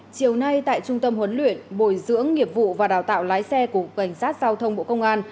chiều nay tại trung tâm huấn luyện bồi dưỡng nghiệp vụ và đào tạo lái xe của cảnh sát giao thông bộ công an